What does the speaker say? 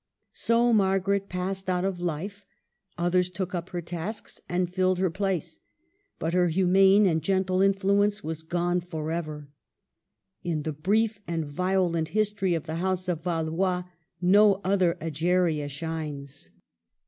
So Margaret passed out of life : others took up her tasks and filled her place; but her humane and gentle influence was gone forever. In the brief and violent history of the house of Valois no other Egeria shines.